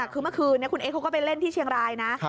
คือเมื่อคืนนี้คุณเอ๊เขาก็ไปเล่นที่เชียงรายนะ